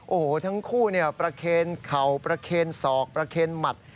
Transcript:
โอ้โหทั้งคู่ประเคนเข่าประเคนศอกประเคนหมัด